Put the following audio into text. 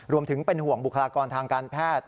รวมถึงเป็นห่วงบุคลากรทางการแพทย์